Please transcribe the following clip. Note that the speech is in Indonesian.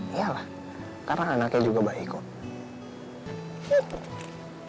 iya lah karena anaknya juga baik kok